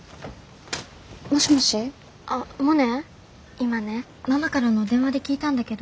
今ねママからの電話で聞いたんだけど。